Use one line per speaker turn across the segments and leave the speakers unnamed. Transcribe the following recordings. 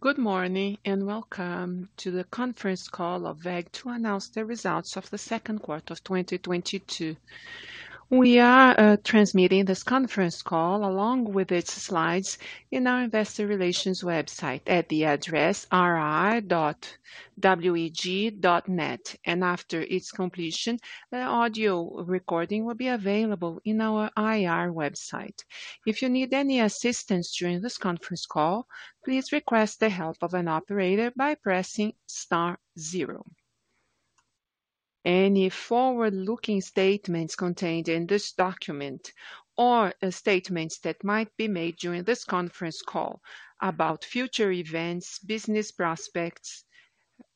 Good morning, and welcome to the conference call of WEG to announce the results of the Q2 of 2022. We are transmitting this conference call along with its slides in our investor relations website at the address ri.weg.net. After its completion, the audio recording will be available in our IR website. If you need any assistance during this conference call, please request the help of an operator by pressing star zero. Any forward-looking statements contained in this document or statements that might be made during this conference call about future events, business prospects,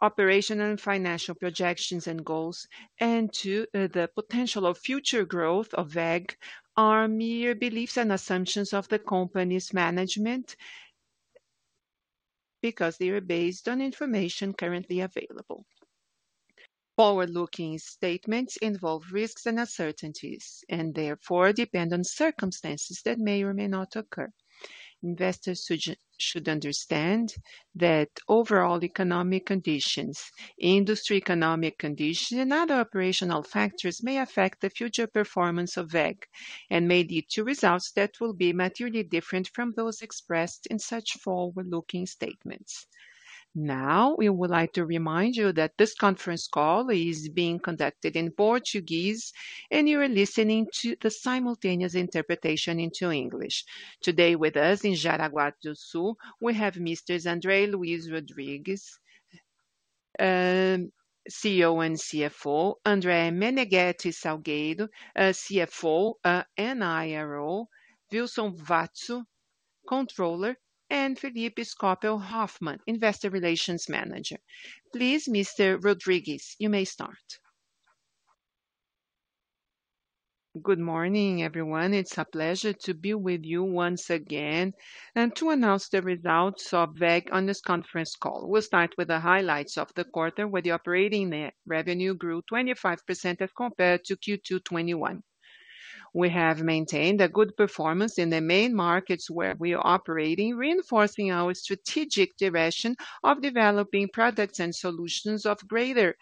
operation and financial projections and goals, and to the potential of future growth of WEG are mere beliefs and assumptions of the company's management because they are based on information currently available. Forward-looking statements involve risks and uncertainties and therefore depend on circumstances that may or may not occur. Investors should understand that overall economic conditions, industry economic conditions, and other operational factors may affect the future performance of WEG and may lead to results that will be materially different from those expressed in such forward-looking statements. Now, we would like to remind you that this conference call is being conducted in Portuguese, and you are listening to the simultaneous interpretation into English. Today with us in Jaraguá do Sul, we have Misters André Luís Rodrigues, CA and CFO, André Menegueti Salgueiro, CFO and IRO, Wilson Watzko, Controller, and Felipe Scopel Hoffmann, Investor Relations Manager. Please, Mr. Rodrigues, you may start.
Good morning, everyone. It's a pleasure to be with you once again and to announce the results of WEG on this conference call. We'll start with the highlights of the quarter, where the operating net revenue grew 25% as compared to Q2 2021. We have maintained a good performance in the main markets where we are operating, reinforcing our strategic direction of developing products and solutions of greater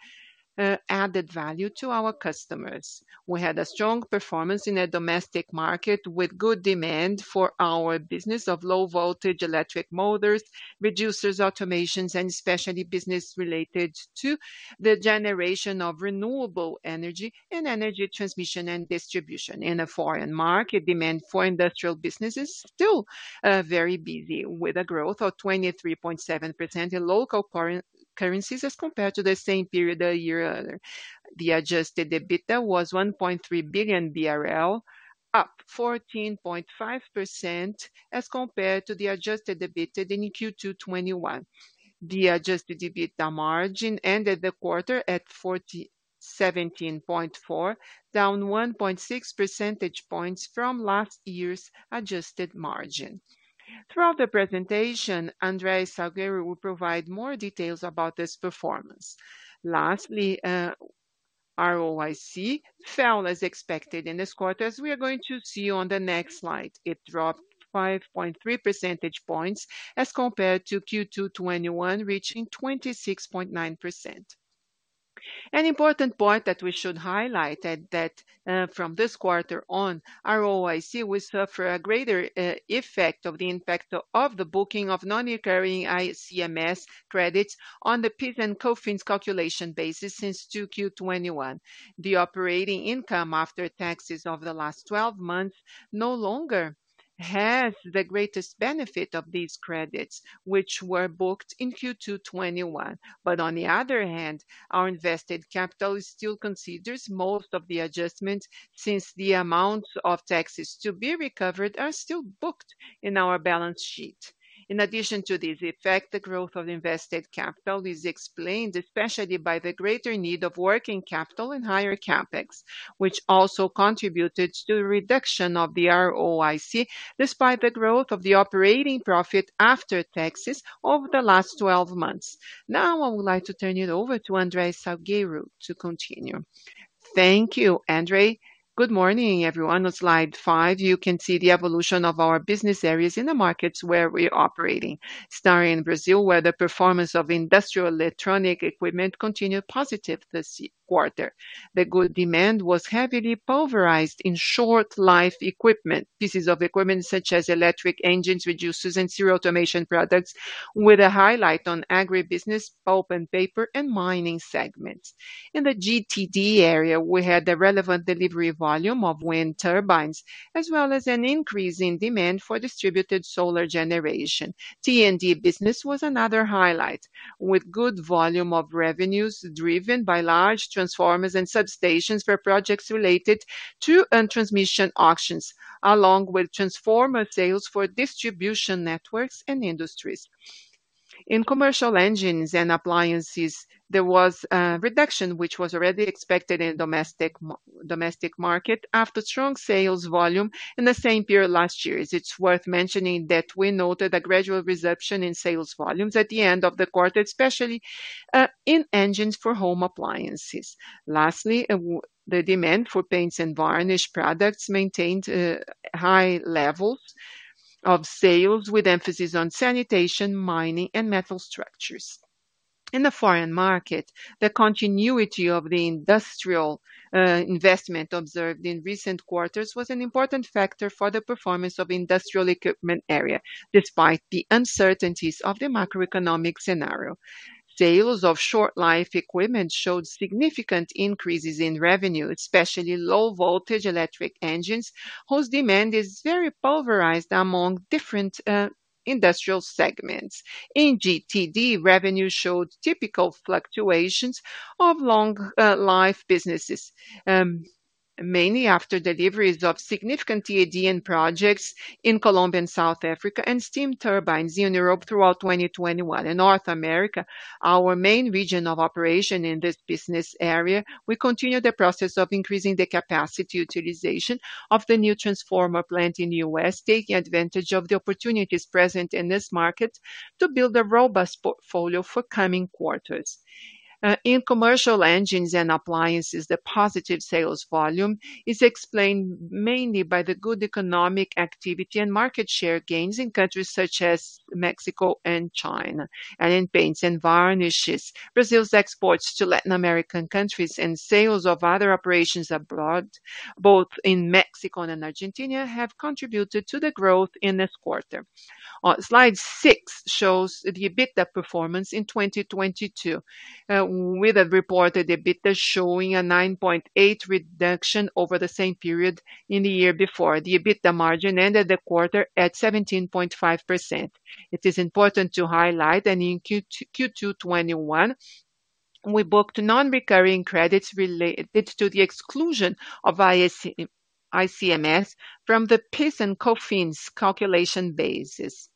added value to our customers. We had a strong performance in the domestic market with good demand for our business of low-voltage electric motors, reducers, automations, and especially business related to the generation of renewable energy and energy transmission and distribution. In the foreign market, demand for industrial business is still very busy with a growth of 23.7% in local currencies as compared to the same period a year earlier. The adjusted EBITDA was 1.3 billion BRL, up 14.5% as compared to the adjusted EBITDA in Q2 2021. The adjusted EBITDA margin ended the quarter at 17.4, down 1.6 percentage points from last year's adjusted margin. Throughout the presentation, André Salgueiro will provide more details about this performance. Lastly, ROIC fell as expected in this quarter, as we are going to see on the next slide. It dropped 5.3 percentage points as compared to Q2 2021, reaching 26.9%. An important point that we should highlight that, from this quarter on, ROIC will suffer a greater effect of the impact of the booking of non-recurring ICMS credits on the PIS and COFINS calculation basis since 2Q 2021. The operating income after taxes of the last twelve months no longer has the greatest benefit of these credits, which were booked in Q2 2021. On the other hand, our invested capital still considers most of the adjustments since the amount of taxes to be recovered are still booked in our balance sheet. In addition to this effect, the growth of invested capital is explained especially by the greater need of working capital and higher CapEx, which also contributed to the reduction of the ROIC despite the growth of the operating profit after taxes over the last twelve months. Now I would like to turn it over to André Salgueiro to continue.
Thank you, André. Good morning, everyone. On Slide 5, you can see the evolution of our business areas in the markets where we are operating. Starting in Brazil, where the performance of industrial electronic equipment continued positive this quarter. The good demand was heavily polarized in short-life equipment. Pieces of equipment such as electric engines, reducers, and serial automation products, with a highlight on agribusiness, pulp and paper, and mining segments. In the GTD area, we had a relevant delivery volume of wind turbines, as well as an increase in demand for distributed solar generation. T&D business was another highlight, with good volume of revenues driven by large transformers and substations for projects related to transmission auctions, along with transformer sales for distribution networks and industries. In commercial engines and appliances, there was a reduction which was already expected in domestic market after strong sales volume in the same period last year. It's worth mentioning that we noted a gradual recovery in sales volumes at the end of the quarter, especially in engines for home appliances. Lastly, the demand for paints and varnish products maintained high levels of sales with emphasis on sanitation, mining, and metal structures. In the foreign market, the continuity of the industrial investment observed in recent quarters was an important factor for the performance of industrial equipment area, despite the uncertainties of the macroeconomic scenario. Sales of short-life equipment showed significant increases in revenue, especially low voltage electric engines, whose demand is very pulverized among different industrial segments. In GTD, revenue showed typical fluctuations of long life businesses, mainly after deliveries of significant T&D in projects in Colombia and South Africa and steam turbines in Europe throughout 2021. In North America, our main region of operation in this business area, we continue the process of increasing the capacity utilization of the new transformer plant in U.S., taking advantage of the opportunities present in this market to build a robust portfolio for coming quarters. In commercial engines and appliances, the positive sales volume is explained mainly by the good economic activity and market share gains in countries such as Mexico and China. In paints and varnishes, Brazil's exports to Latin American countries and sales of other operations abroad, both in Mexico and in Argentina, have contributed to the growth in this quarter. Slide 6 shows the EBITDA performance in 2022, with a reported EBITDA showing a 9.8 reduction over the same period in the year before. The EBITDA margin ended the quarter at 17.5%. It is important to highlight that in Q2 2021, we booked non-recurring credits related to the exclusion of ICMS from the PIS and COFINS calculation basis.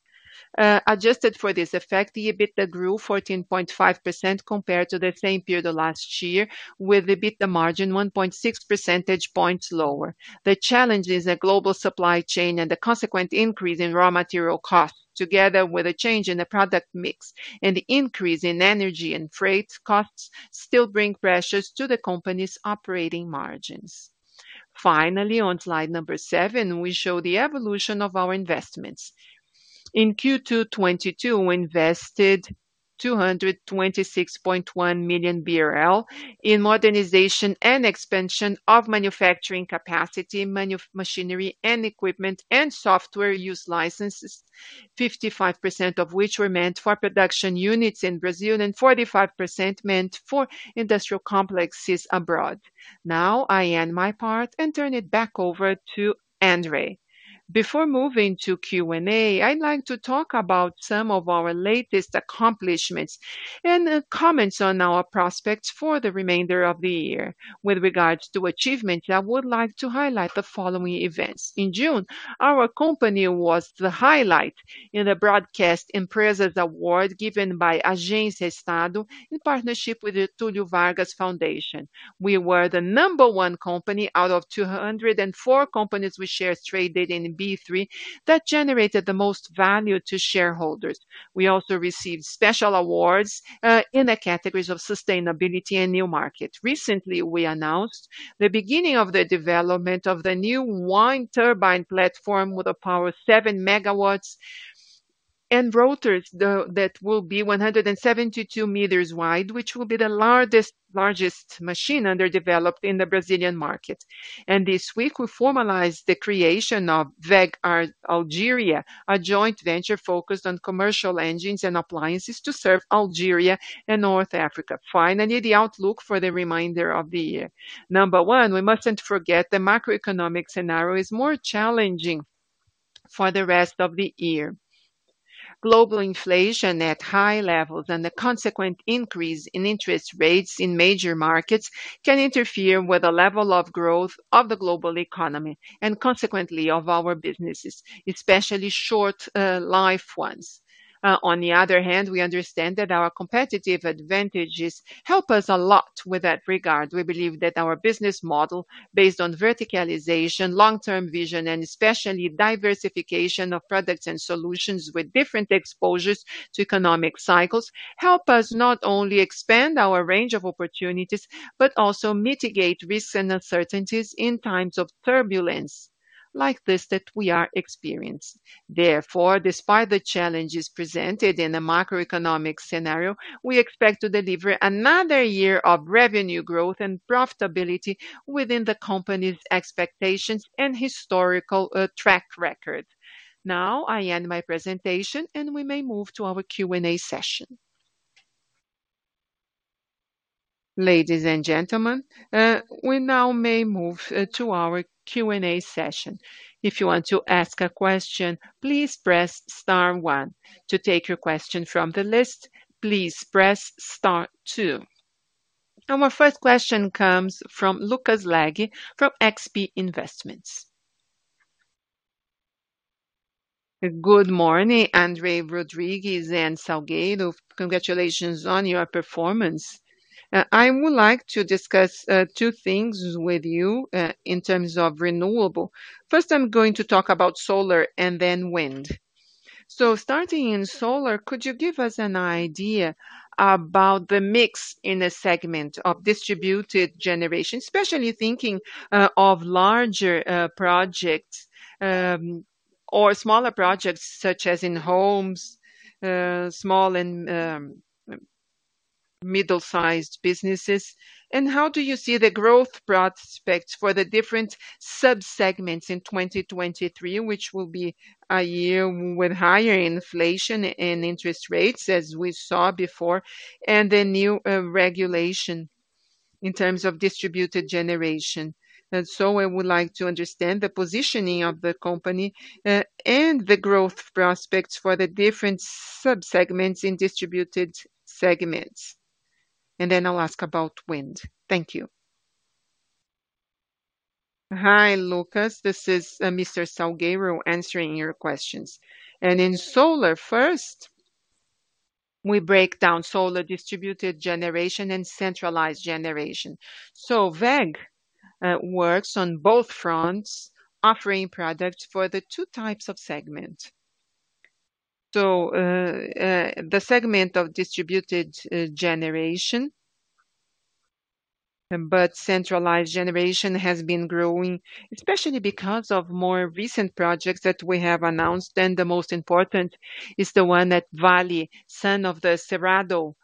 Adjusted for this effect, the EBITDA grew 14.5% compared to the same period of last year, with EBITDA margin 1.6 percentage points lower. The challenges in global supply chain and the consequent increase in raw material costs, together with a change in the product mix and the increase in energy and freight costs, still bring pressures to the company's operating margins. Finally, on Slide 7, we show the evolution of our investments. In Q2 2022, we invested 226.1 million BRL in modernization and expansion of manufacturing capacity, machinery and equipment and software use licenses, 55% of which were meant for production units in Brazil and 45% meant for industrial complexes abroad. Now I end my part and turn it back over to André.
Before moving to Q&A, I'd like to talk about some of our latest accomplishments and comments on our prospects for the remainder of the year. With regards to achievements, I would like to highlight the following events. In June, our company was the highlight in the Broadcast Empresas Award given by Agência Estado in partnership with the Fundação Getúlio Vargas. We were the number one company out of 204 companies with shares traded in B3 that generated the most value to shareholders. We also received special awards in the categories of sustainability and new markets. Recently, we announced the beginning of the development of the new wind turbine platform with a power of 7 MW and rotors that will be 172 m wide, which will be the largest machine under development in the Brazilian market. This week, we formalized the creation of WEG Algeria Motors SPA, a joint venture focused on commercial engines and appliances to serve Algeria and North Africa. Finally, the outlook for the remainder of the year. Number one, we mustn't forget the macroeconomic scenario is more challenging for the rest of the year. Global inflation at high levels and the consequent increase in interest rates in major markets can interfere with the level of growth of the global economy and consequently of our businesses, especially short-life ones. On the other hand, we understand that our competitive advantages help us a lot with that regard. We believe that our business model based on verticalization, long-term vision, and especially diversification of products and solutions with different exposures to economic cycles, help us not only expand our range of opportunities, but also mitigate risks and uncertainties in times of turbulence like this that we are experiencing. Therefore, despite the challenges presented in the macroeconomic scenario, we expect to deliver another year of revenue growth and profitability within the company's expectations and historical track record. Now, I end my presentation, and we may move to our Q&A session.
Ladies and gentlemen, we now may move to our Q&A session. If you want to ask a question, please press star one. To take your question from the list, please press star two. My first question comes from Lucas Laghi from XP Investimentos.
Good morning, André Luís Rodrigues and André Menegueti Salgueiro. Congratulations on your performance. I would like to discuss two things with you in terms of renewable. First, I'm going to talk about solar and then wind. Starting in solar, could you give us an idea about the mix in the segment of distributed generation, especially thinking of larger projects or smaller projects such as in homes, small and middle sized businesses. How do you see the growth prospects for the different sub-segments in 2023, which will be a year with higher inflation and interest rates as we saw before, and the new regulation in terms of distributed generation. I would like to understand the positioning of the company, and the growth prospects for the different sub-segments in distributed segments. I'll ask about wind. Thank you.
Hi, Lucas. This is Mr. Salgueiro answering your questions. In solar, first, we break down Solar Distributed Generation and centralized generation. WEG works on both fronts offering products for the two types of segment. The segment of distributed generation, but centralized generation has been growing, especially because of more recent projects that we have announced, and the most important is the one at Vale, Sol do Cerrado,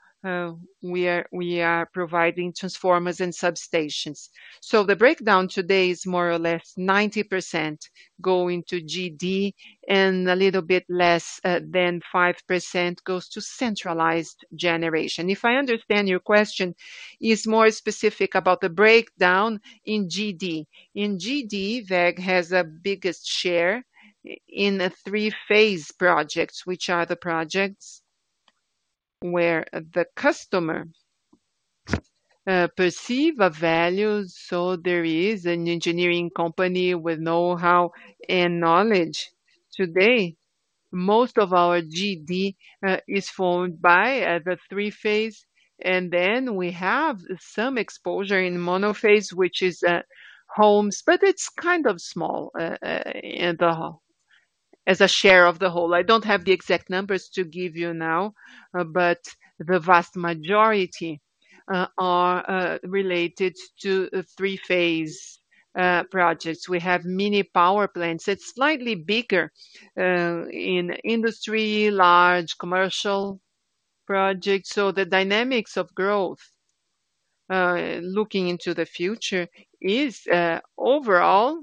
we are providing transformers and substations. The breakdown today is more or less 90% going to GD and a little bit less than 5% goes to centralized generation. If I understand your question is more specific about the breakdown in GD. In GD, WEG has a biggest share in the three-phase projects, which are the projects where the customer perceive a value, so there is an engineering company with know-how and knowledge. Today, most of our GD is formed by the three-phase, and then we have some exposure in monophase, which is homes, but it's kind of small in the whole as a share of the whole. I don't have the exact numbers to give you now, but the vast majority are related to three-phase projects. We have mini power plants. It's slightly bigger in industry, large commercial projects. The dynamics of growth looking into the future is overall,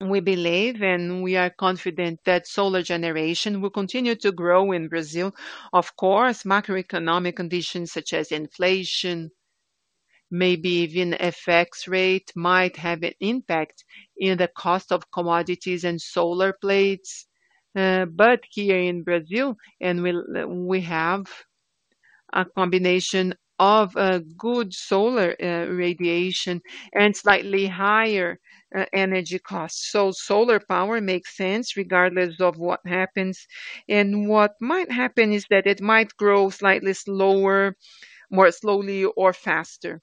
we believe and we are confident that solar generation will continue to grow in Brazil. Of course, macroeconomic conditions such as inflation, maybe even FX rate, might have an impact in the cost of commodities and solar panels. But here in Brazil, we have a combination of a good solar radiation and slightly higher energy costs. Solar power makes sense regardless of what happens. What might happen is that it might grow slightly slower, more slowly or faster.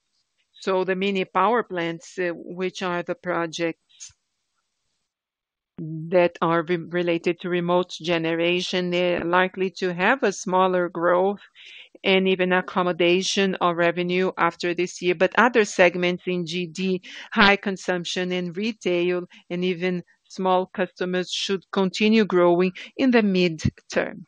The mini power plants, which are the projects that are related to remote generation, they're likely to have a smaller growth and even accommodation of revenue after this year. Other segments in GD, high consumption and retail and even small customers should continue growing in the midterm.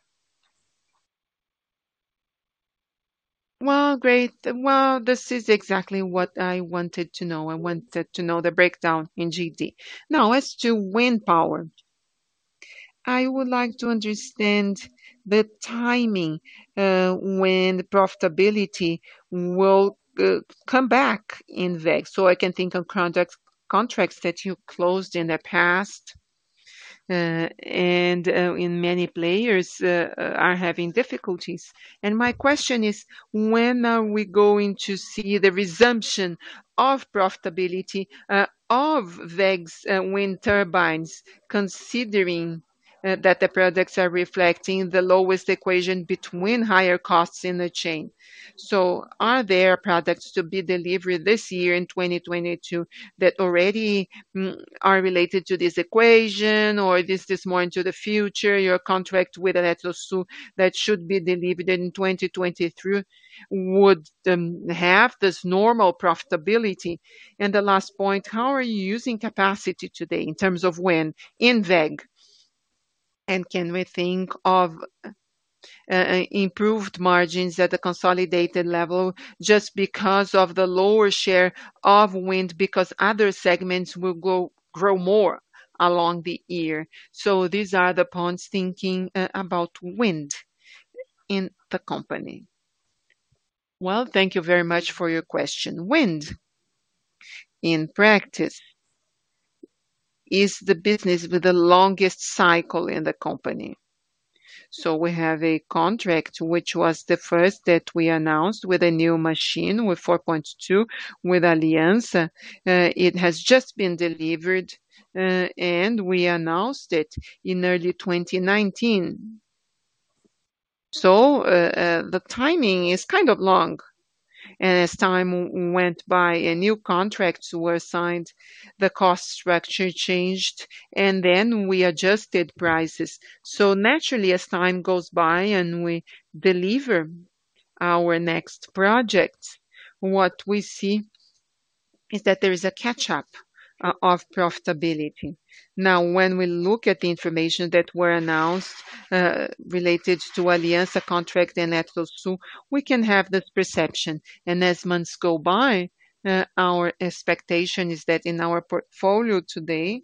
Well, great. This is exactly what I wanted to know. I wanted to know the breakdown in GD. Now as to wind power, I would like to understand the timing, when profitability will come back in WEG. I can think of contracts that you closed in the past, and in many players are having difficulties. My question is, when are we going to see the resumption of profitability of WEG's wind turbines, considering that the products are reflecting the lowest equation between higher costs in the chain. Are there products to be delivered this year in 2022 that already are related to this equation? Or is this more into the future? Your contract with Eletrosul that should be delivered in 2023 would have this normal profitability. The last point, how are you using capacity today in terms of wind in WEG?
Can we think of improved margins at the consolidated level just because of the lower share of wind, because other segments will grow more along the year. These are the points thinking about wind in the company. Well, thank you very much for your question. Wind, in practice, is the business with the longest cycle in the company. We have a contract which was the first that we announced with a new machine, with 4.2, with Aliança. It has just been delivered, and we announced it in early 2019. The timing is kind of long. As time went by and new contracts were signed, the cost structure changed, and then we adjusted prices. Naturally, as time goes by and we deliver our next projects, what we see is that there is a catch up of profitability. Now, when we look at the information that were announced related to Aliança contract and Atlas too, we can have this perception. As months go by, our expectation is that in our portfolio today,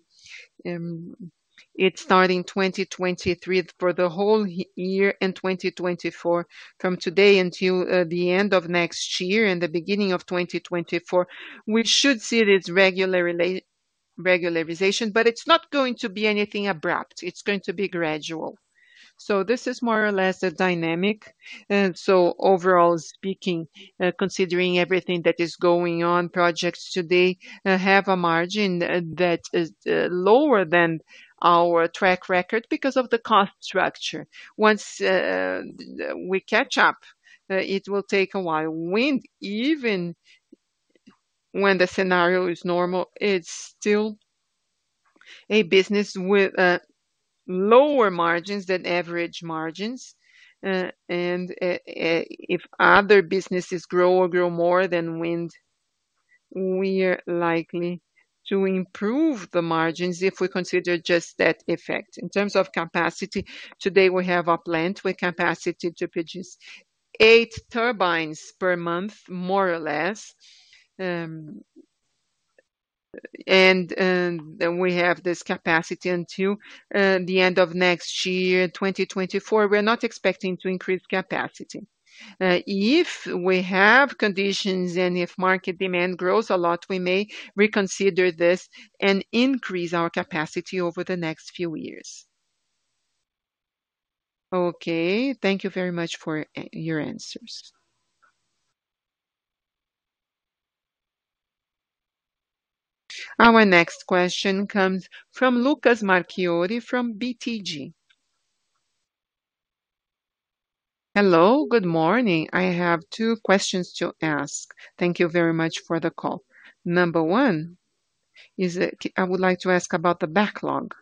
it's starting 2023 for the whole half-year and 2024 from today until the end of next year and the beginning of 2024, we should see this regularization. It's not going to be anything abrupt, it's going to be gradual. This is more or less a dynamic. Overall speaking, considering everything that is going on, projects today have a margin that is lower than our track record because of the cost structure. Once we catch up, it will take a while. Wind, even when the scenario is normal, it's still a business with lower margins than average margins. If other businesses grow or grow more than wind, we are likely to improve the margins if we consider just that effect. In terms of capacity, today we have a plant with capacity to produce eight turbines per month, more or less. We have this capacity until the end of next year, 2024. We're not expecting to increase capacity. If we have conditions and if market demand grows a lot, we may reconsider this and increase our capacity over the next few years.
Okay, thank you very much for your answers.
Our next question comes from Lucas Marquiori from BTG Pactual.
Hello, good morning. I have two questions to ask. Thank you very much for the call. Number one is that I would like to ask about the backlog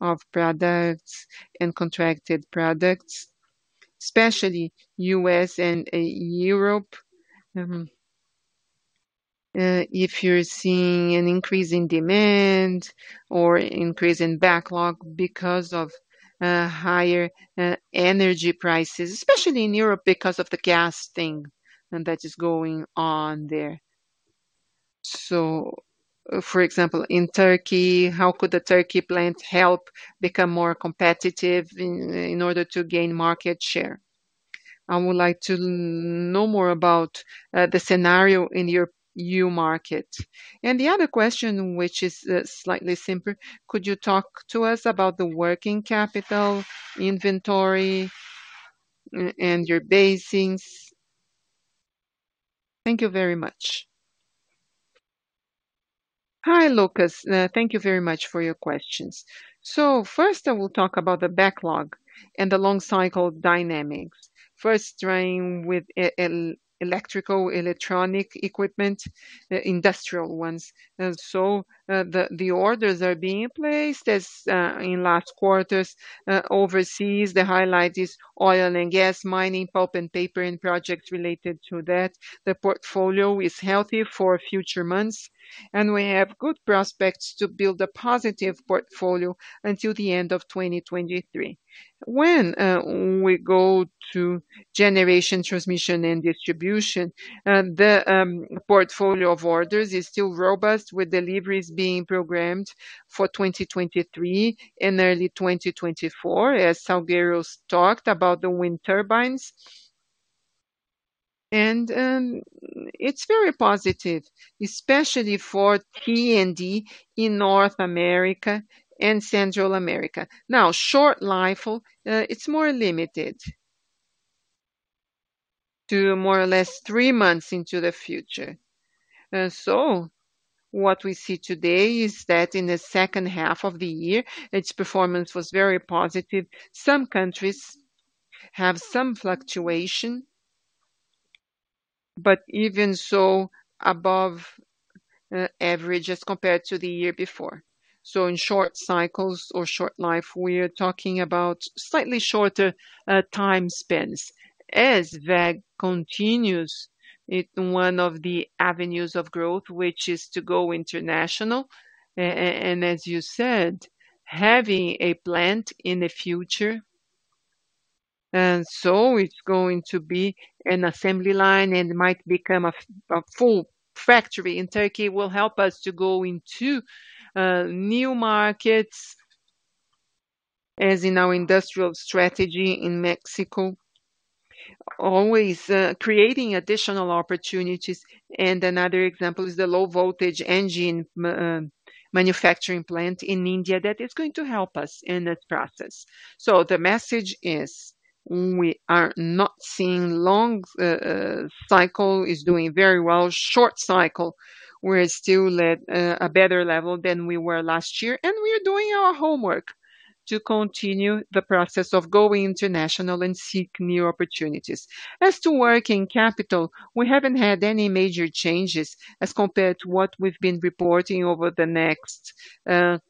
of products and contracted products, especially U.S. and Europe. If you're seeing an increase in demand or increase in backlog because of higher energy prices, especially in Europe, because of the gas thing that is going on there. For example, in Turkey, how could the Turkey plant help become more competitive in order to gain market share? I would like to know more about the scenario in your E.U. market. The other question, which is slightly simpler, could you talk to us about the working capital inventory and your basics? Thank you very much.
Hi, Lucas. Thank you very much for your questions. First I will talk about the backlog and the long cycle dynamics. First starting with electrical, electronic equipment, industrial ones. So, the orders are being placed as in last quarters, overseas. The highlight is oil and gas, mining, pulp and paper, and projects related to that. The portfolio is healthy for future months, and we have good prospects to build a positive portfolio until the end of 2023. When we go to generation, transmission and distribution, the portfolio of orders is still robust with deliveries being programmed for 2023 and early 2024, as Salgueiro talked about the wind turbines. It's very positive, especially for T&D in North America and Central America. Now, short-life cycle, it's more limited to more or less three months into the future. So what we see today is that in the second half of the year, its performance was very positive. Some countries have some fluctuation, but even so, above average as compared to the year before. In short cycles or short-life cycles, we are talking about slightly shorter time spans. As WEG continues one of the avenues of growth, which is to go international, and as you said, having a plant in the future. It's going to be an assembly line and might become a full factory in Turkey will help us to go into new markets as in our industrial strategy in Mexico, always creating additional opportunities. Another example is the low voltage engine manufacturing plant in India that is going to help us in this process. The message is we are not seeing long cycles doing very well. Short cycle, we're still at a better level than we were last year, and we are doing our homework to continue the process of going international and seek new opportunities. As to working capital, we haven't had any major changes as compared to what we've been reporting over the next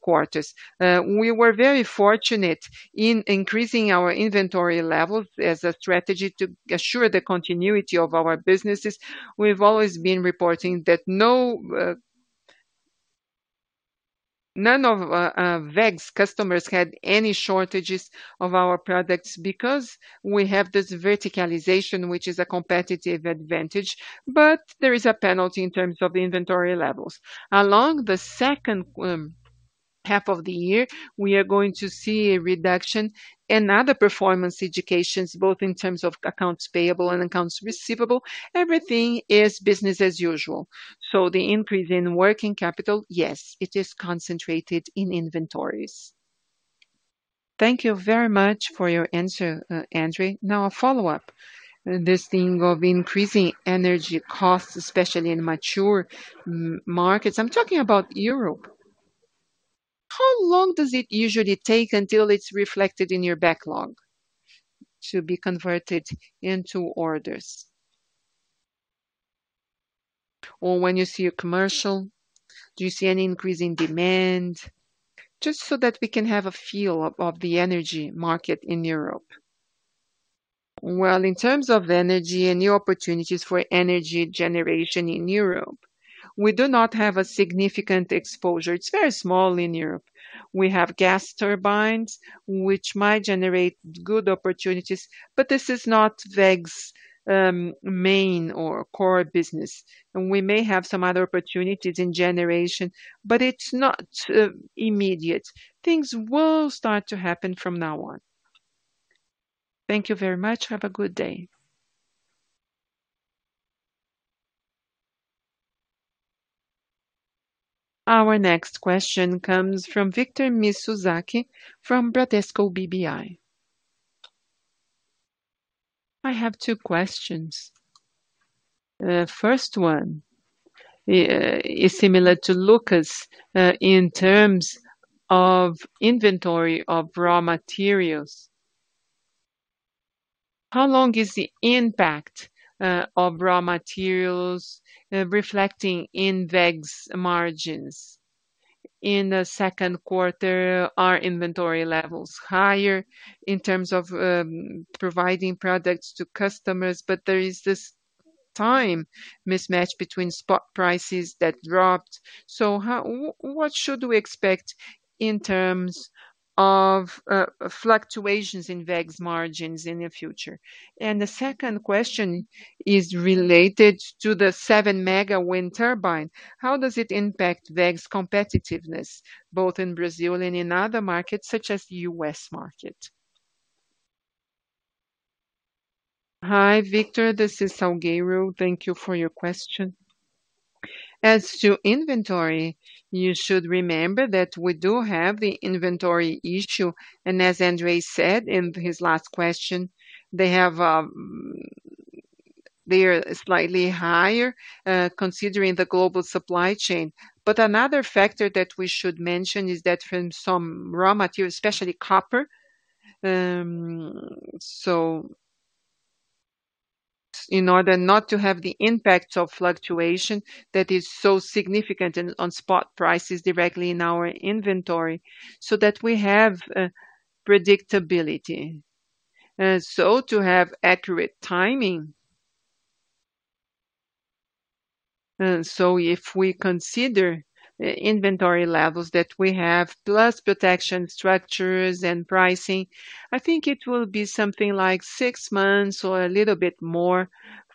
quarters. We were very fortunate in increasing our inventory levels as a strategy to assure the continuity of our businesses. We've always been reporting that none of WEG's customers had any shortages of our products because we have this verticalization, which is a competitive advantage, but there is a penalty in terms of the inventory levels. Along the second half of the year, we are going to see a reduction in other performance indicators, both in terms of accounts payable and accounts receivable. Everything is business as usual. The increase in working capital, yes, it is concentrated in inventories.
Thank you very much for your answer, André. Now a follow-up. This thing of increasing energy costs, especially in mature markets. I'm talking about Europe. How long does it usually take until it's reflected in your backlog to be converted into orders? Or when you see a commercial, do you see any increase in demand?
Just so that we can have a feel of the energy market in Europe. Well, in terms of energy and new opportunities for energy generation in Europe, we do not have a significant exposure. It's very small in Europe. We have gas turbines which might generate good opportunities, but this is not WEG's main or core business. We may have some other opportunities in generation, but it's not immediate. Things will start to happen from now on.
Thank you very much. Have a good day.
Our next question comes from Victor Mizusaki from Bradesco BBI.
I have two questions. First one is similar to Lucas in terms of inventory of raw materials. How long is the impact of raw materials reflecting in WEG's margins? In the Q2, are inventory levels higher in terms of providing products to customers? There is this time mismatch between spot prices that dropped. What should we expect in terms of fluctuations in WEG's margins in the future? The second question is related to the 7-MW wind turbine. How does it impact WEG's competitiveness, both in Brazil and in other markets such as U.S. market?
Hi, Victor. This is Salgueiro. Thank you for your question. As to inventory, you should remember that we do have the inventory issue, and as André said in his last question, they are slightly higher, considering the global supply chain. Another factor that we should mention is that from some raw materials, especially copper, in order not to have the impact of fluctuation that is so significant on spot prices directly in our inventory, so that we have predictability, to have accurate timing. If we consider inventory levels that we have, plus protection structures and pricing, I think it will be something like six months or a little bit more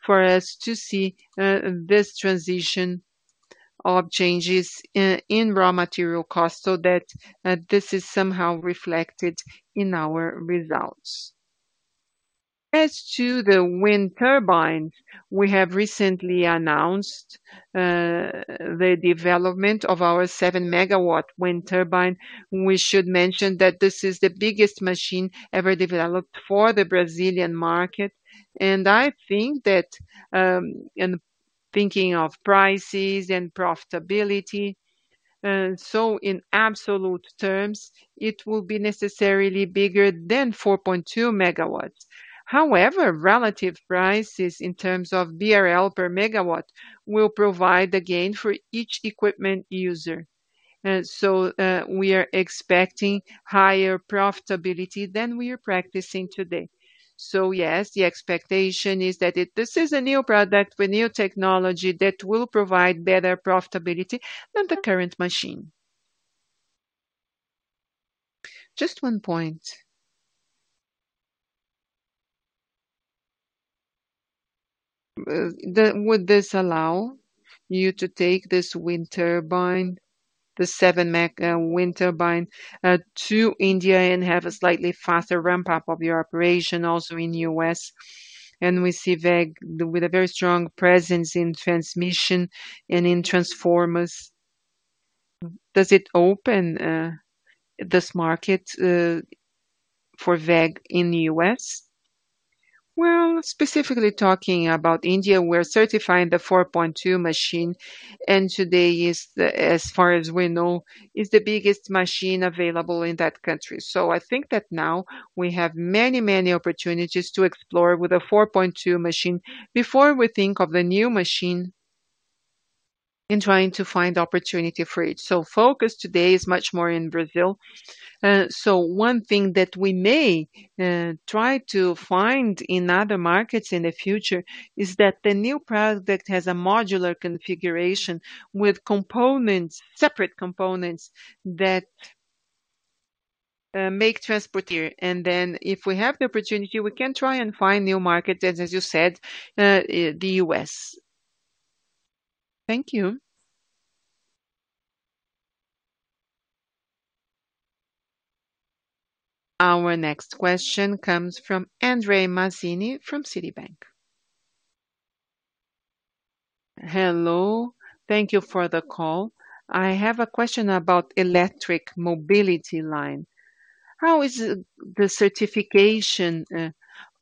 for us to see this transition of changes in raw material costs, so that this is somehow reflected in our results. As to the wind turbine, we have recently announced the development of our 7 MW wind turbine. We should mention that this is the biggest machine ever developed for the Brazilian market, and I think that in thinking of prices and profitability, so in absolute terms, it will be necessarily bigger than 4.2 MW. However, relative prices in terms of BRL per megawatt will provide a gain for each equipment user. We are expecting higher profitability than we are practicing today. Yes, the expectation is that this is a new product with new technology that will provide better profitability than the current machine.
Just one point. Would this allow you to take this wind turbine, the 7 MW wind turbine, to India and have a slightly faster ramp up of your operation also in U.S.?
We see WEG with a very strong presence in transmission and in transformers. Does it open this market for WEG in the US? Well, specifically talking about India, we're certifying the 4.2 machine, and today, as far as we know, is the biggest machine available in that country. I think that now we have many, many opportunities to explore with a 4.2 machine before we think of the new machine in trying to find opportunity for it. Focus today is much more in Brazil. One thing that we may try to find in other markets in the future is that the new product that has a modular configuration with components, separate components that make transport here. If we have the opportunity, we can try and find new markets, as you said, the U.S.
Thank you. Our next question comes from André Mazini, from Citibank.
Hello. Thank you for the call. I have a question about electric mobility line. How is the certification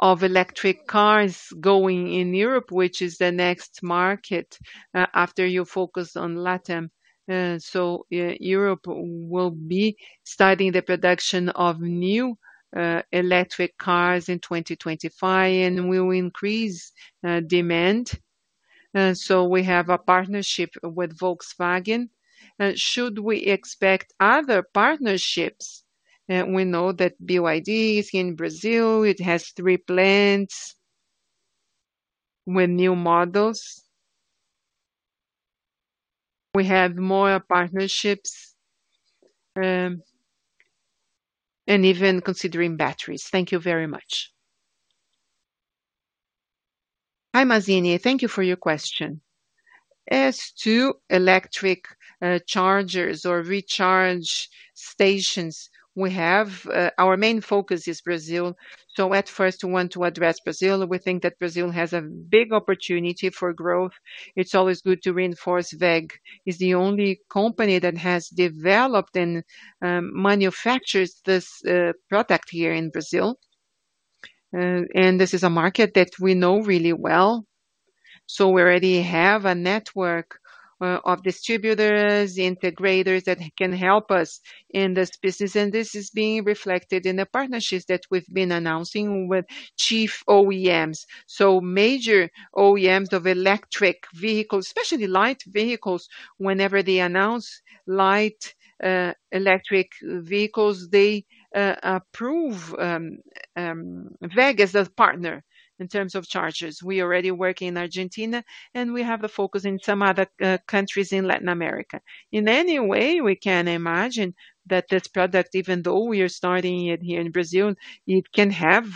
of electric cars going in Europe, which is the next market after you focus on LatAm? Europe will be starting the production of new electric cars in 2025, and will increase demand. We have a partnership with Volkswagen. Should we expect other partnerships? We know that BYD is in Brazil, it has 3 plants with new models. We have more partnerships, and even considering batteries. Thank you very much.
Hi, Mazini. Thank you for your question. As to electric chargers or recharge stations we have, our main focus is Brazil. At first we want to address Brazil. We think that Brazil has a big opportunity for growth. It's always good to reinforce WEG is the only company that has developed and manufactures this product here in Brazil. This is a market that we know really well. We already have a network of distributors, integrators that can help us in this business. This is being reflected in the partnerships that we've been announcing with chief OEMs. Major OEMs of electric vehicles, especially light vehicles, whenever they announce light electric vehicles, they approve WEG as a partner in terms of chargers. We already work in Argentina, and we have a focus in some other countries in Latin America. Anyway, we can imagine that this product, even though we are starting it here in Brazil, it can have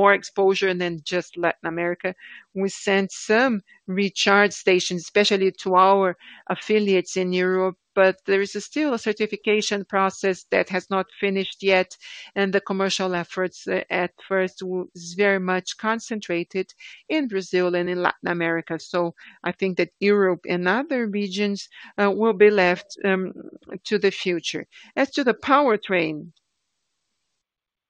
more exposure than just Latin America. We sent some recharge stations, especially to our affiliates in Europe, but there is still a certification process that has not finished yet, and the commercial efforts at first was very much concentrated in Brazil and in Latin America. I think that Europe and other regions will be left to the future. As to the powertrain,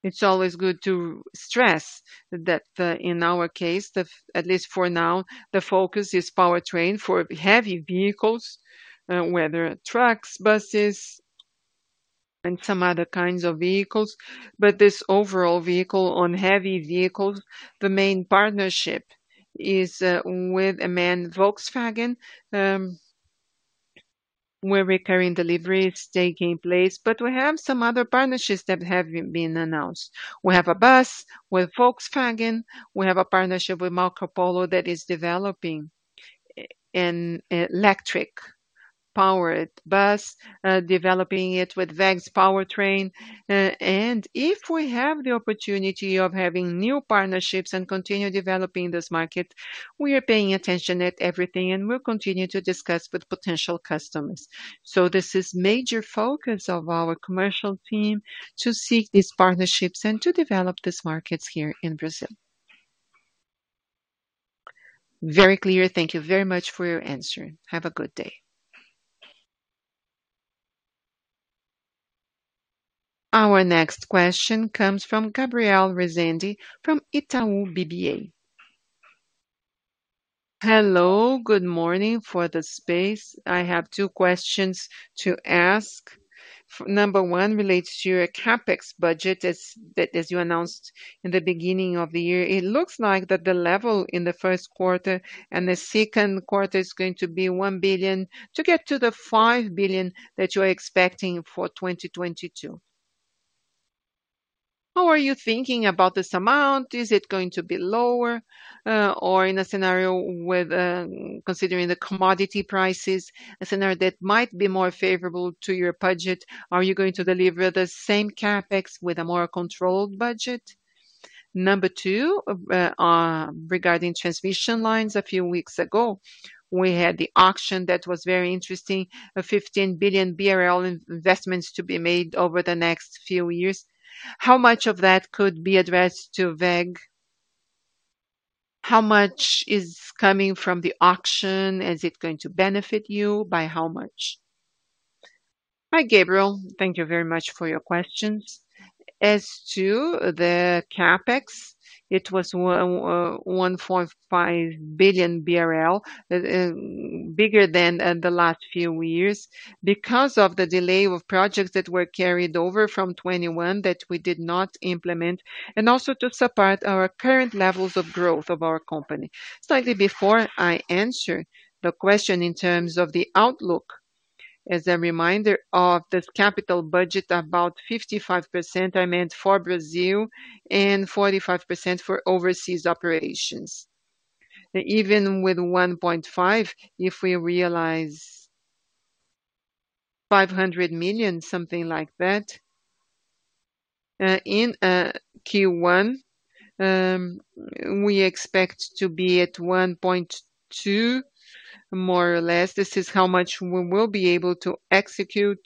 it's always good to stress that in our case, at least for now, the focus is powertrain for heavy vehicles, whether trucks, buses, and some other kinds of vehicles. This overall vehicle on heavy vehicles, the main partnership is with Volkswagen, where recurring delivery is taking place. We have some other partnerships that have been announced. We have a bus with Volkswagen. We have a partnership with Marcopolo that is developing an electric powered bus, developing it with WEG's powertrain. If we have the opportunity of having new partnerships and continue developing this market, we are paying attention to everything and we'll continue to discuss with potential customers. This is major focus of our commercial team to seek these partnerships and to develop these markets here in Brazil.
Very clear. Thank you very much for your answer. Have a good day.
Our next question comes from Gabriel Rezende from Itaú BBA.
Hello, good morning for the space. I have two questions to ask. Number one relates to your CapEx budget as you announced in the beginning of the year. It looks like the level in the Q1 and the Q2 is going to be 1 billion to get to the 5 billion that you're expecting for 2022. How are you thinking about this amount? Is it going to be lower, or in a scenario with considering the commodity prices, a scenario that might be more favorable to your budget? Are you going to deliver the same CapEx with a more controlled budget? Number two, regarding transmission lines. A few weeks ago, we had the auction that was very interesting. 15 billion BRL investments to be made over the next few years. How much of that could be addressed to WEG? How much is coming from the auction? Is it going to benefit you? By how much?
Hi, Gabriel. Thank you very much for your questions. As to the CapEx, it was 1.5 billion BRL, bigger than the last few years because of the delay of projects that were carried over from 2021 that we did not implement, and also to support our current levels of growth of our company. Slightly before I answer the question in terms of the outlook. As a reminder of this capital budget, about 55% are meant for Brazil and 45% for overseas operations. Even with 1.5, if we realize BRL 500 million, something like that, in Q1, we expect to be at 1.2, more or less. This is how much we will be able to execute,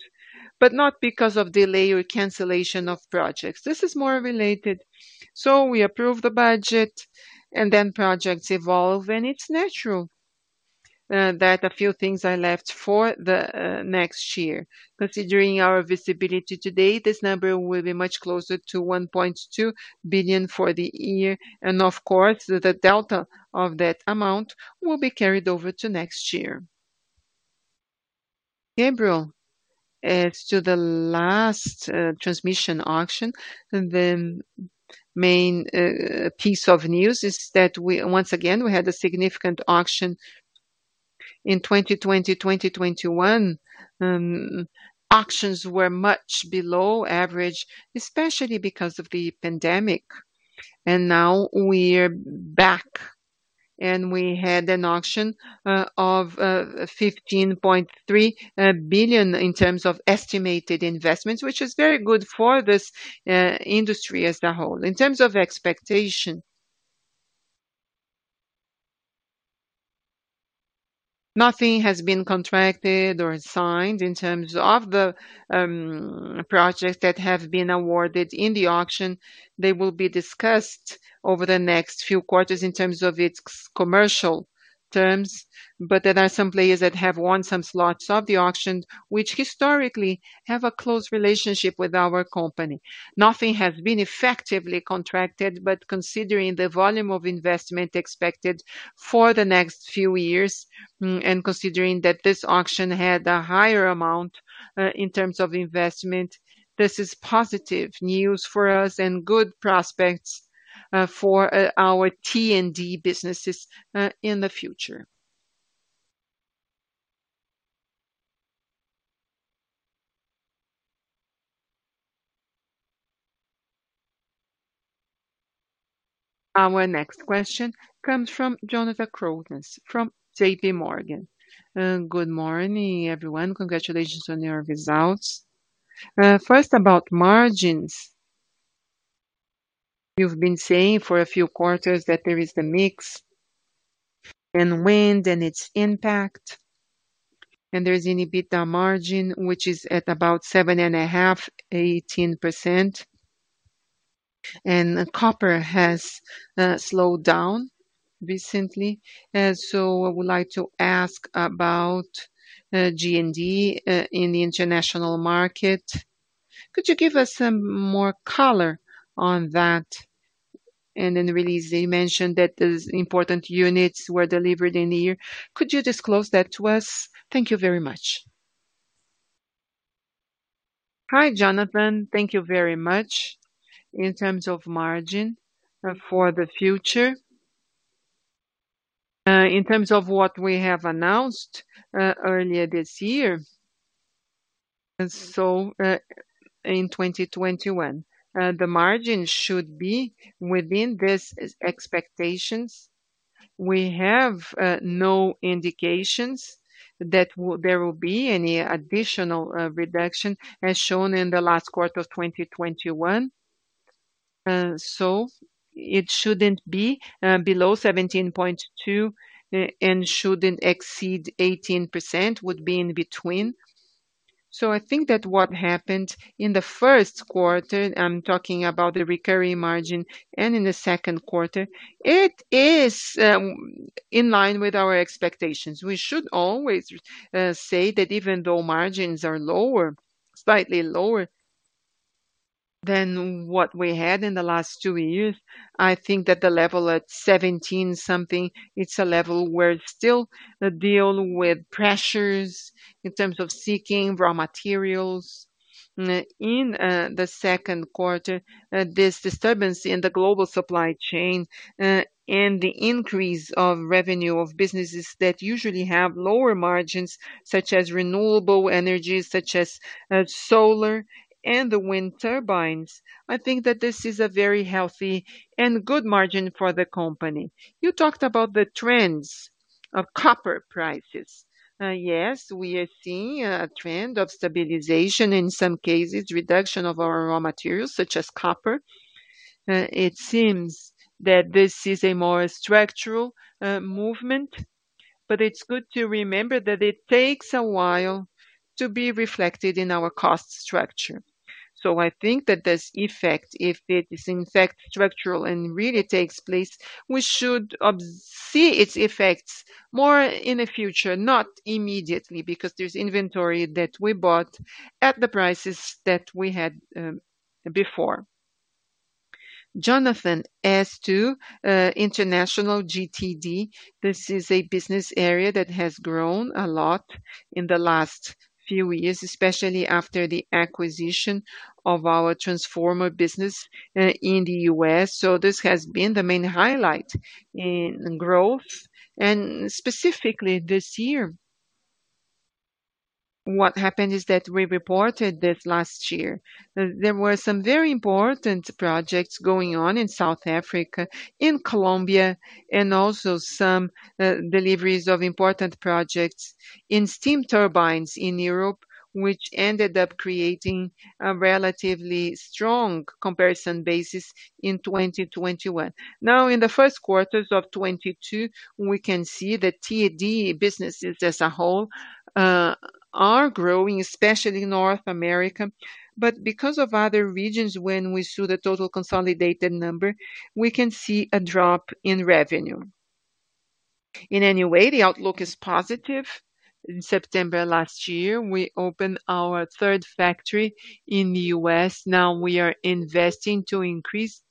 but not because of delay or cancellation of projects. This is more related. We approve the budget and then projects evolve, and it's natural that a few things are left for the next year. Considering our visibility today, this number will be much closer to 1.2 billion for the year. Of course, the delta of that amount will be carried over to next year. Gabriel, as to the last transmission auction, the main piece of news is that we once again had a significant auction. In 2020, 2021, auctions were much below average, especially because of the pandemic. Now we're back, and we had an auction of 15.3 billion in terms of estimated investments, which is very good for this industry as a whole. In terms of expectations. Nothing has been contracted or signed in terms of the projects that have been awarded in the auction. They will be discussed over the next few quarters in terms of their commercial terms. There are some players that have won some lots of the auction, which historically have a close relationship with our company. Nothing has been effectively contracted, but considering the volume of investment expected for the next few years, and considering that this auction had a higher amount in terms of investment, this is positive news for us and good prospects for our T&D businesses in the future.
Our next question comes from Jonathan Koutras from JPMorgan.
Good morning, everyone. Congratulations on your results. First about margins. You've been saying for a few quarters that there is the mix in wind and its impact, and there's an EBITDA margin which is at about 7.5%-18%. Copper has slowed down recently. So I would like to ask about GTD in the international market. Could you give us some more color on that? And in the release, they mentioned that those important units were delivered in a year. Could you disclose that to us?
Thank you very much. Hi, Jonathan. Thank you very much. In terms of margin for the future, in terms of what we have announced earlier this year. In 2021, the margin should be within these expectations. We have no indications that there will be any additional reduction as shown in the last quarter of 2021. It shouldn't be below 17.2% and shouldn't exceed 18%, would be in between. I think that what happened in the Q1, I'm talking about the recurring margin and in the Q2, it is in line with our expectations. We should always say that even though margins are lower, slightly lower than what we had in the last two years, I think that the level at 17 something, it's a level where it's still dealing with pressures in terms of sourcing raw materials. In the Q2, this disturbance in the global supply chain and the increase of revenue of businesses that usually have lower margins, such as renewable energy, solar and the wind turbines, I think that this is a very healthy and good margin for the company. You talked about the trends of copper prices. Yes, we are seeing a trend of stabilization, in some cases, reduction of our raw materials such as copper. It seems that this is a more structural movement, but it's good to remember that it takes a while to be reflected in our cost structure. I think that this effect, if it is in fact structural and really takes place, we should see its effects more in the future, not immediately, because there's inventory that we bought at the prices that we had before. Jonathan, as to international GTD, this is a business area that has grown a lot in the last few years, especially after the acquisition of our transformer business in the U.S. This has been the main highlight in growth and specifically this year. What happened is that we reported this last year. There were some very important projects going on in South Africa, in Colombia, and also some deliveries of important projects in steam turbines in Europe, which ended up creating a relatively strong comparison basis in 2021. Now, in the Q1 of 2022, we can see the T&D businesses as a whole are growing, especially in North America. Because of other regions, when we saw the total consolidated number, we can see a drop in revenue. In any way, the outlook is positive. In September last year, we opened our third factory in the U.S. Now we are investing to increase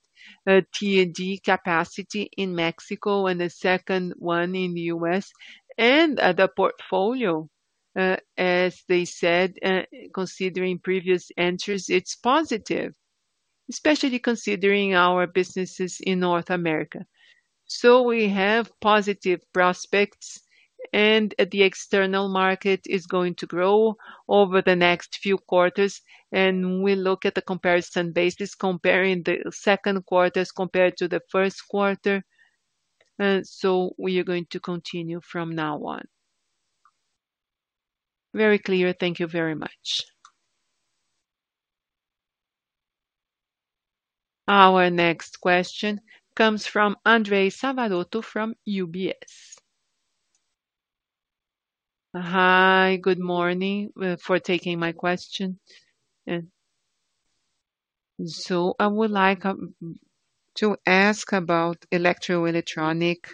the T&D capacity in Mexico and a second one in the U.S. The portfolio, as they said, considering previous entries, it's positive, especially considering our businesses in North America. We have positive prospects and the external market is going to grow over the next few quarters. We look at the comparison basis comparing the Q2 compared to the Q1. We are going to continue from now on.
Very clear. Thank you very much.
Our next question comes from Andressa Varotto from UBS.
Hi, good morning, for taking my question. So I would like to ask about electro-electronic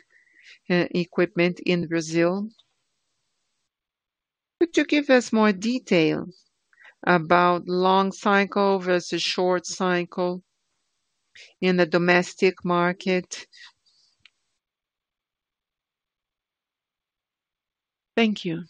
equipment in Brazil. Could you give us more detail about long cycle versus short cycle in the domestic market? Thank you.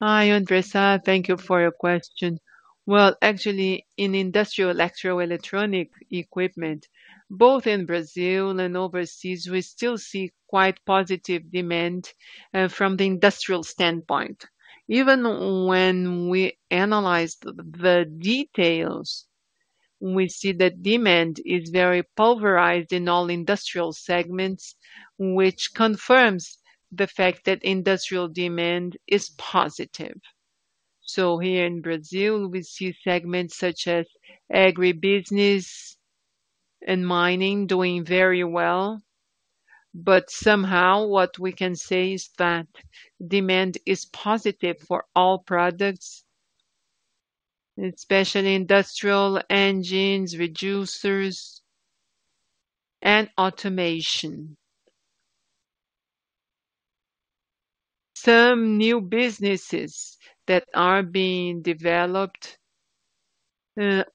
Hi, Andressa Varotto. Thank you for your question. Well, actually, in industrial electro-electronic equipment, both in Brazil and overseas, we still see quite positive demand from the industrial standpoint. Even when we analyze the details, we see that demand is very pulverized in all industrial segments, which confirms the fact that industrial demand is positive. Here in Brazil, we see segments such as agribusiness and mining doing very well. Somehow what we can say is that demand is positive for all products, especially industrial engines, reducers and automation. Some new businesses that are being developed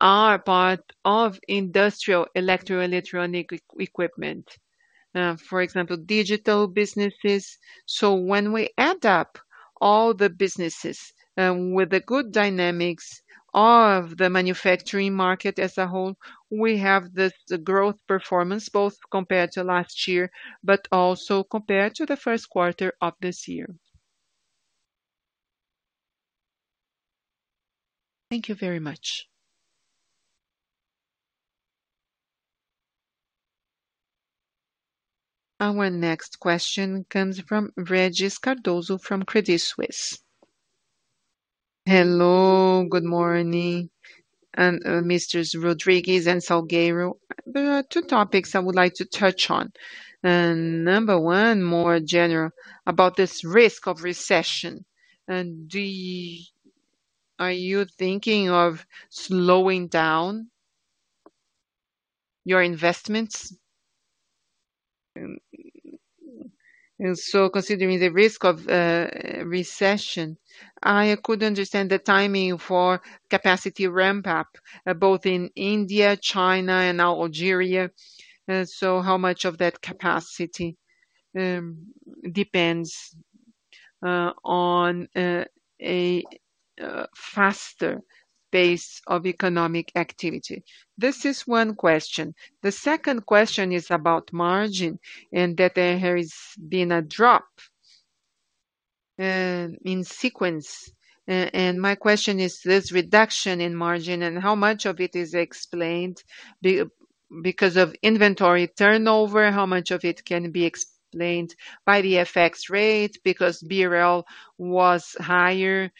are part of industrial electro-electronic equipment. For example, digital businesses. When we add up all the businesses, with the good dynamics of the manufacturing market as a whole, we have the growth performance both compared to last year but also compared to the Q1 of this year.
Thank you very much.
Our next question comes from Régis Cardoso from Credit Suisse.
Hello, good morning, Misters Rodrigues and Salgueiro. There are two topics I would like to touch on. Number one, more general about this risk of recession. Are you thinking of slowing down your investments? Considering the risk of recession, I could understand the timing for capacity ramp up, both in India, China and now Algeria. How much of that capacity depends on a faster pace of economic activity? This is one question. The second question is about margin, and that there has been a drop in sequence. My question is this reduction in margin and how much of it is explained because of inventory turnover, how much of it can be explained by the FX rate because BRL was higher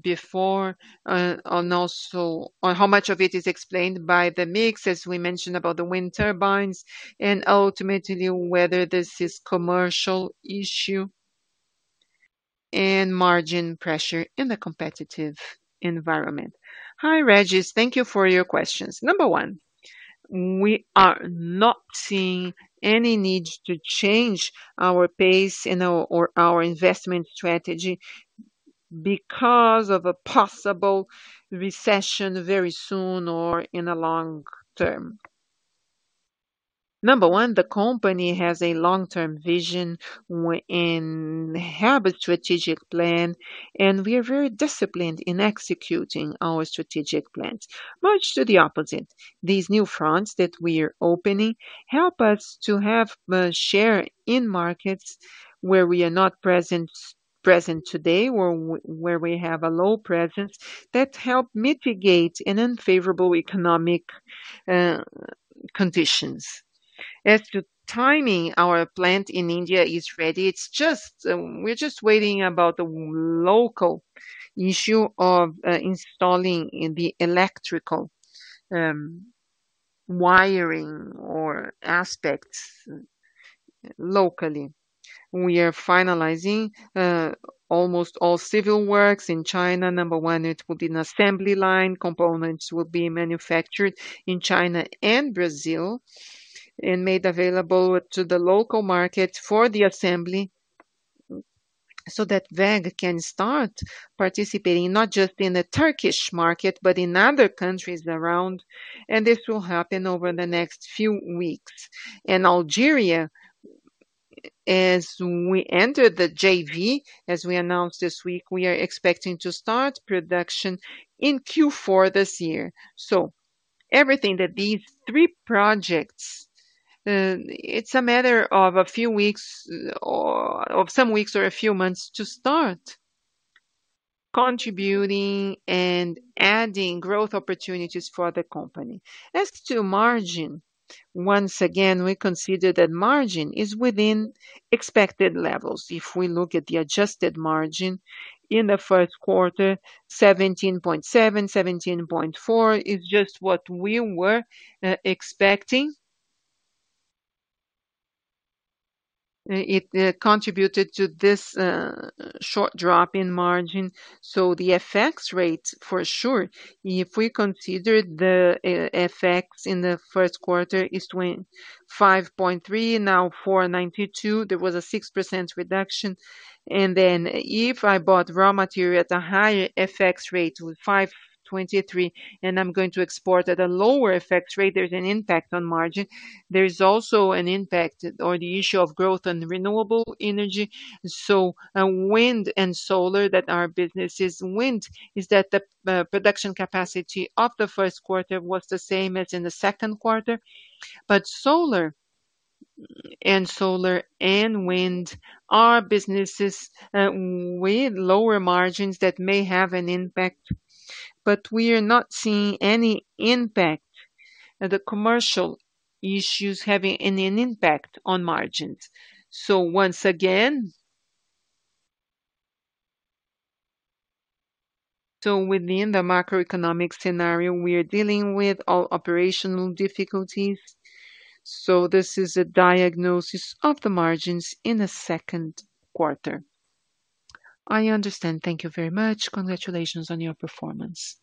before, and how much of it is explained by the mix, as we mentioned about the wind turbines, and ultimately whether this is commercial issue and margin pressure in the competitive environment.
Hi, Régis. Thank you for your questions. Number one, we are not seeing any need to change our pace or our investment strategy because of a possible recession very soon or in the long term. Number one, the company has a long-term vision. We have a strategic plan, and we are very disciplined in executing our strategic plans. Much to the opposite, these new fronts that we are opening help us to have a share in markets where we are not present today or where we have a low presence that help mitigate an unfavorable economic conditions. As to timing, our plant in India is ready. It's just, we're just waiting about the local issue of installing the electrical wiring or aspects locally. We are finalizing almost all civil works in China. Number one, it will be an assembly line. Components will be manufactured in China and Brazil and made available to the local market for the assembly so that WEG can start participating not just in the Turkish market, but in other countries around. This will happen over the next few weeks. In Algeria, as we enter the JV, as we announced this week, we are expecting to start production in Q4 this year. Everything that these three projects, it's a matter of a few weeks or of some weeks or a few months to start contributing and adding growth opportunities for the company. As to margin, once again, we consider that margin is within expected levels. If we look at the adjusted margin in the Q1, 17.7%, 17.4% is just what we were expecting. It contributed to this short drop in margin, so the FX rate for sure. If we consider the FX in the Q1 is 5.3, now 4.92, there was a 6% reduction. Then if I bought raw material at a higher FX rate with 5.23, and I'm going to export at a lower FX rate, there's an impact on margin. There's also an impact on the issue of growth on renewable energy. Wind and solar that our business is wind, production capacity of the Q1 was the same as in the Q2. Solar and wind are businesses with lower margins that may have an impact, but we are not seeing any impact, the commercial issues having any impact on margins. Once again, within the macroeconomic scenario, we are dealing with all operational difficulties. This is a diagnosis of the margins in the Q2.
I understand. Thank you very much. Congratulations on your performance.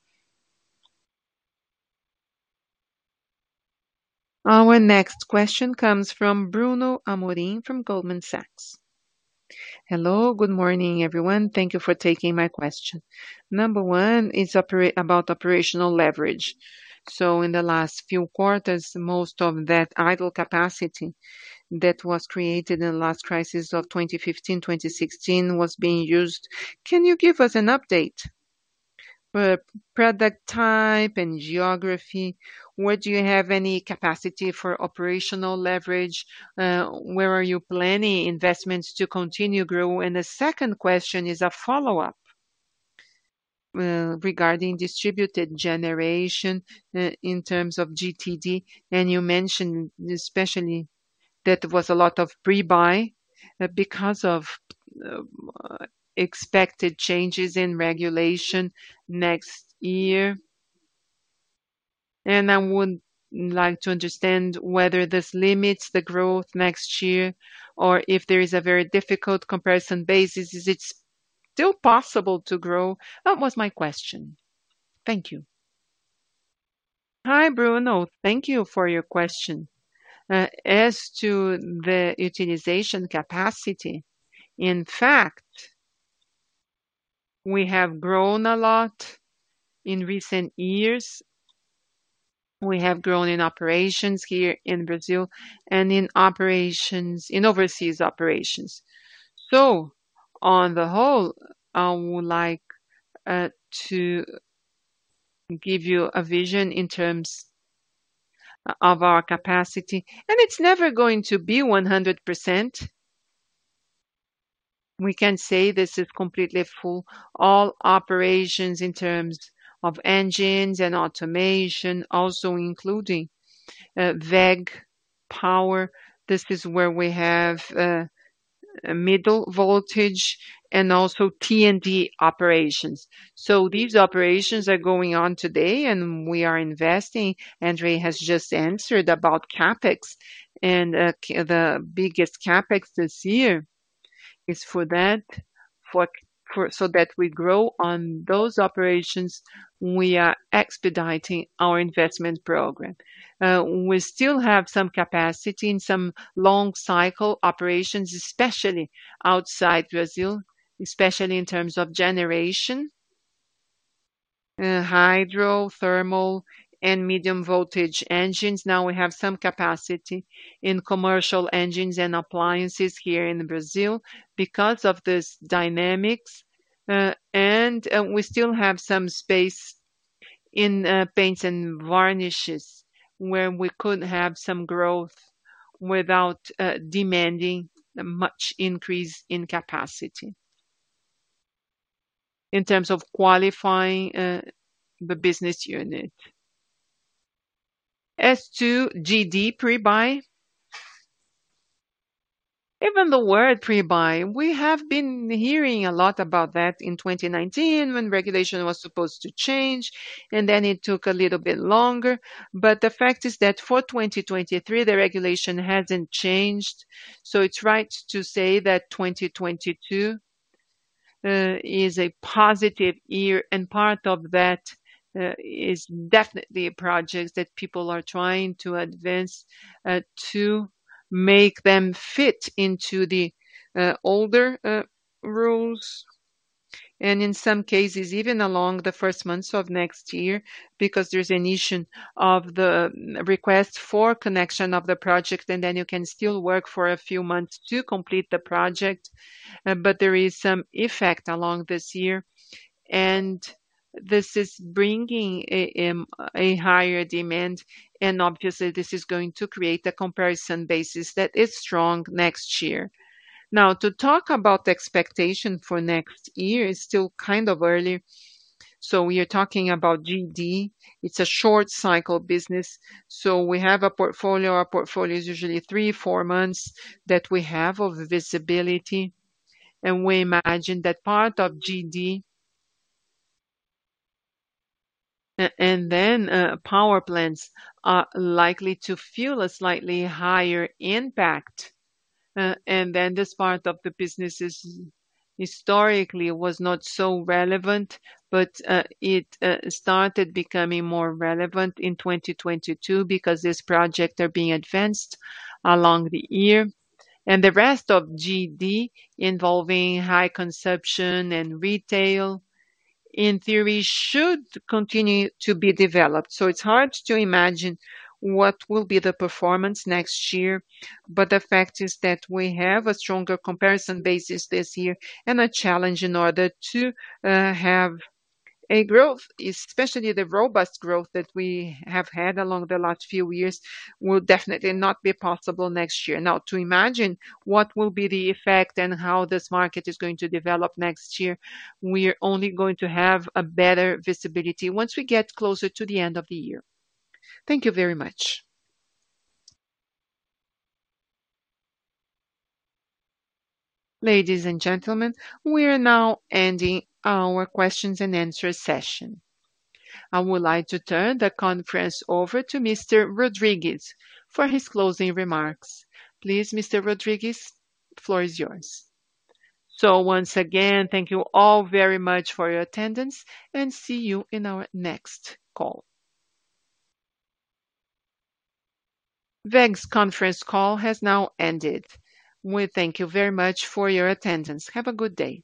Our next question comes from Bruno Amorim from Goldman Sachs.
Hello, good morning, everyone. Thank you for taking my question. Number one is about operational leverage. In the last few quarters, most of that idle capacity that was created in the last crisis of 2015, 2016 was being used. Can you give us an update? Product type and geography, would you have any capacity for operational leverage? Where are you planning investments to continue grow? The second question is a follow-up regarding distributed generation in terms of GTD. You mentioned especially that there was a lot of pre-buy because of expected changes in regulation next year. I would like to understand whether this limits the growth next year or if there is a very difficult comparison basis. Is it still possible to grow? That was my question. Thank you.
Hi, Bruno. Thank you for your question. As to the utilization capacity, in fact, we have grown a lot in recent years. We have grown in operations here in Brazil and in operations in overseas operations. On the whole, I would like to give you a vision in terms of our capacity. It's never going to be 100%. We can say this is completely full. All operations in terms of engines and automation also including WEG Power. This is where we have medium voltage and also T&D operations. These operations are going on today and we are investing. André has just answered about CapEx. The biggest CapEx this year is for that. For that we grow on those operations, we are expediting our investment program. We still have some capacity in some long cycle operations, especially outside Brazil, especially in terms of generation, hydrothermal and medium voltage engines. Now we have some capacity in commercial engines and appliances here in Brazil because of this dynamics. We still have some space in paints and varnishes where we could have some growth without demanding much increase in capacity in terms of qualifying the business unit. As to GD pre-buy. Even the word pre-buy, we have been hearing a lot about that in 2019 when regulation was supposed to change, and then it took a little bit longer. The fact is that for 2023, the regulation hasn't changed. It's right to say that 2022 is a positive year, and part of that is definitely projects that people are trying to advance to make them fit into the older rules, and in some cases, even along the first months of next year, because there's an issue of the request for connection of the project, and then you can still work for a few months to complete the project. There is some effect along this year, and this is bringing a higher demand. Obviously this is going to create a comparison basis that is strong next year. Now, to talk about the expectation for next year, it's still kind of early. We are talking about GD. It's a short cycle business. We have a portfolio. Our portfolio is usually 3-4 months that we have of visibility. We imagine that part of GD, power plants are likely to fuel a slightly higher impact. This part of the business was historically not so relevant, but it started becoming more relevant in 2022 because these projects are being advanced along the year. The rest of GD, involving high consumption and retail, in theory, should continue to be developed. It's hard to imagine what will be the performance next year. The fact is that we have a stronger comparison basis this year and a challenge in order to have a growth, especially the robust growth that we have had along the last few years, will definitely not be possible next year. Now, to imagine what will be the effect and how this market is going to develop next year, we are only going to have a better visibility once we get closer to the end of the year.
Thank you very much.
Ladies and gentlemen, we are now ending our questions and answer session. I would like to turn the conference over to Mr. Rodrigues for his closing remarks. Please, Mr. Rodrigues, floor is yours. Once again, thank you all very much for your attendance and see you in our next call. WEG's conference call has now ended. We thank you very much for your attendance. Have a good day.